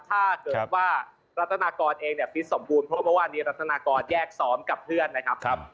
ถ้าเกิดว่ารัฐนากรเองเนี่ยฟิตสมบูรณ์เพราะว่าเมื่อวานนี้รัฐนากรแยกซ้อมกับเพื่อนนะครับ